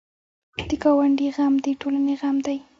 د ګاونډي غم د ټولنې غم دی